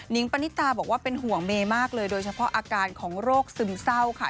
ปณิตาบอกว่าเป็นห่วงเมย์มากเลยโดยเฉพาะอาการของโรคซึมเศร้าค่ะ